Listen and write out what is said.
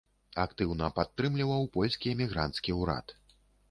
Актыўна падтрымліваў польскі эмігранцкі ўрад.